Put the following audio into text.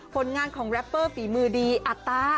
ผลงานของแรปเปอร์ฝีมือดีอัตรา